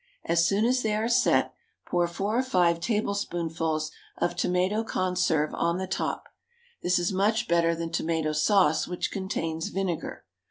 As soon as they are set, pour four or five tablespoonfuls of tomato conserve on the top; this is much better than tomato sauce, which contains vinegar.